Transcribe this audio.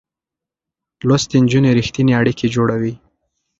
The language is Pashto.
لوستې نجونې رښتينې اړيکې جوړوي.